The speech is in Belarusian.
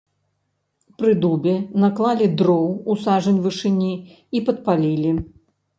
Пры дубе наклалі дроў у сажань вышыні і падпалілі.